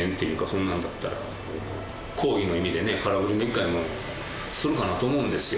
そんなんだったら抗議の意味でね空振りの１回もするかなと思うんですよ。